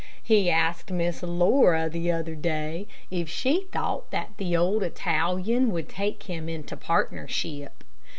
He asked Miss Laura the other day, if she thought that the old Italian would take him into partnership.